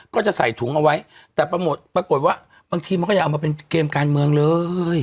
ก็จะใส่ถุงเอาไว้แต่ปรากฏว่าบางทีมันก็อย่าเอามาเป็นเกมการเมืองเลย